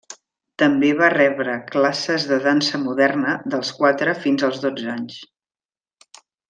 També va rebre classes de dansa moderna dels quatre fins als dotze anys.